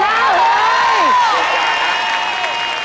๒๐เท่าเฮ้ย